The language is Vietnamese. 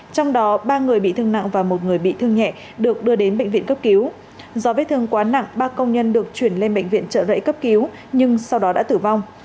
trong đó ba người bị thương nặng và một người bị thương nhẹ được đưa đến bệnh viện cấp cứu do vết thương quá nặng ba công nhân được chuyển lên bệnh viện trợ rẫy cấp cứu nhưng sau đó đã tử vong